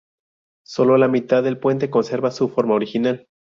Solo la mitad del puente conserva su forma original.